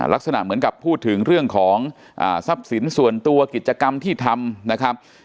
ลักษณะเหมือนกับพูดถึงเรื่องของทรัพย์สินส่วนตัวกิจกรรมที่ทำนะครับ